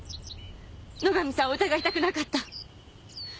野上さんを疑いたくなかった。